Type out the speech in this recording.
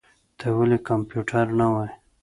ته ولي کمپيوټر نه وايې؟